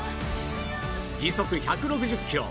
時速１６０キロ